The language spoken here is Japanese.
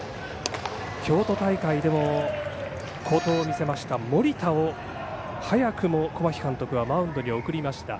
京都大会でも好投を見せた森田を早くも小牧監督はマウンドに送りました。